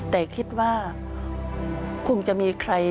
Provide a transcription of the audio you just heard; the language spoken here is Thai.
แต่คิดว่าคงจะมีใคร